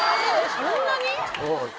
そんなに？